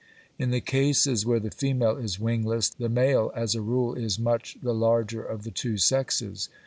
In the cases where the female is wingless, the male as a rule is much the larger of the two sexes.